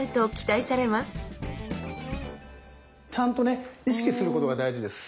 ちゃんと意識することが大事です。